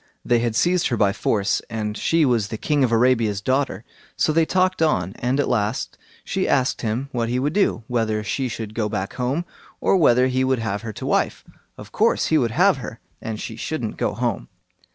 They had seized her by force, and she was the King of Arabia's daughter. So they talked on, and at last she asked him what he would do; whether she should go back home, or whether he would have her to wife. Of course he would have her, and she shouldn't go home.